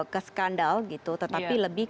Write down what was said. ke skandal tetapi lebih